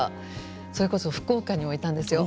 それこそ福岡にもいたんですよ。